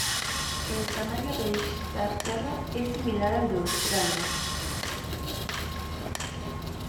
El tamaño de Ishtar Terra es similar al de Australia.